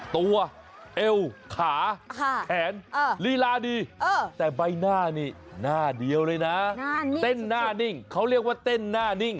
เอวขาแขนลีลาดีแต่ใบหน้านี่หน้าเดียวเลยนะเต้นหน้านิ่งเขาเรียกว่าเต้นหน้านิ่ง